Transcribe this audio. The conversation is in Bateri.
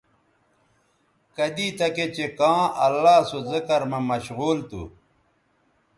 کدی تکےچہء کاں اللہ سو ذکر مہ مشغول تھو